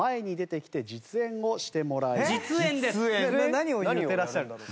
何を言ってらっしゃるんだろう？